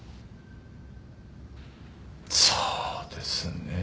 そうですねぇ。